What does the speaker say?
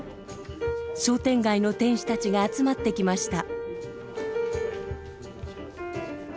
商店街の店主たちが集まってきました。